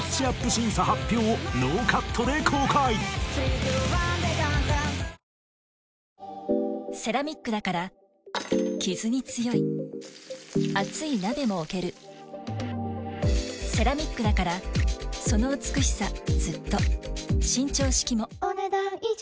審査発表をノーカットで公開セラミックだからキズに強い熱い鍋も置けるセラミックだからその美しさずっと伸長式もお、ねだん以上。